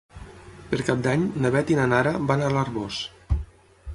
Per Cap d'Any na Beth i na Nara van a l'Arboç.